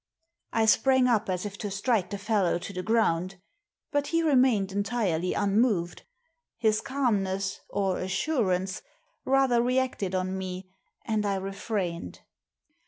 " I sprang up, as if to strike the fellow to the ground. But he remained entirely unmoved. His calmness, or assurance, rather reacted on me, and I refrained.